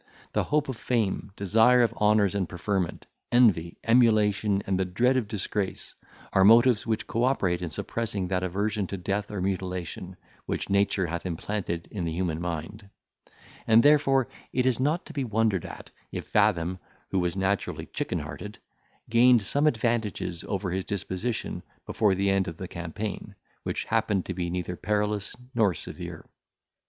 The hope of fame, desire of honours and preferment, envy, emulation, and the dread of disgrace, are motives which co operate in suppressing that aversion to death or mutilation, which nature hath implanted in the human mind; and therefore it is not to be wondered at, if Fathom, who was naturally chicken hearted, gained some advantages over his disposition before the end of the campaign, which happened to be neither perilous nor severe.